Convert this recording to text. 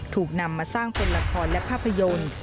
ถูกนำมาสร้างเป็นละครและภาพยนตร์